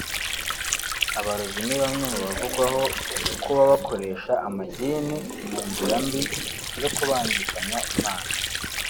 abarozi ni bamwe mu bavugwaho kuba bakoresha amagini mu nzira mbi zo kubangikanya Imana